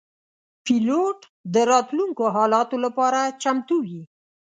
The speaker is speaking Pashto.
پیلوټ د راتلونکو حالاتو لپاره چمتو وي.